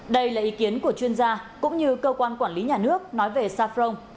đây là ý kiến của chuyên gia cũng như cơ quan quản lý nhà nước nói về safron